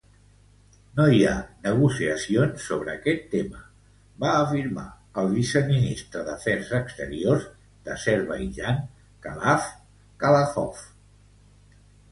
No hi ha negociacions sobre aquest tema, va afirmar el viceministre d'afers exteriors d'Azerbaidjan, Khalaf Khalafov.